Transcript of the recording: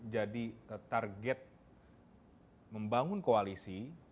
jadi target membangun koalisi